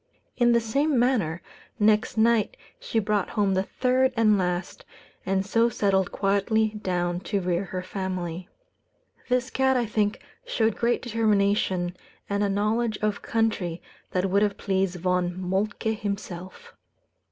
In the same manner, next night she brought home the third and last, and so settled quietly down to rear her family. This cat, I think, showed great determination, and a knowledge of country that would have pleased Von Moltke himself.